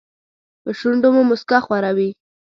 په شونډو مو موسکا خوره وي .